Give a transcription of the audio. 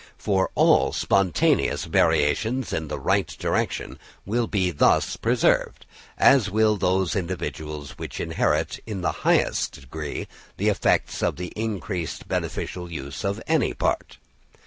For all spontaneous variations in the right direction will thus be preserved; as will those individuals which inherit in the highest degree the effects of the increased and beneficial use of any part.